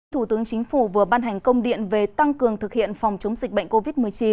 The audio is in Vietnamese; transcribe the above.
thủ tướng chính phủ vừa ban hành công điện về tăng cường thực hiện phòng chống dịch bệnh covid một mươi chín